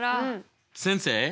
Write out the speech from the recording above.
先生。